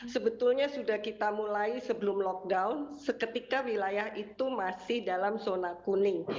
sebetulnya sudah kita mulai sebelum lockdown seketika wilayah itu masih dalam zona kuning